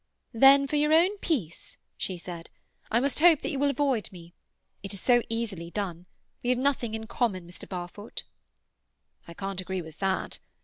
"Then, for your own peace," she said, "I must hope that you will avoid me. It is so easily done. We have nothing in common, Mr. Barfoot." "I can't agree with that.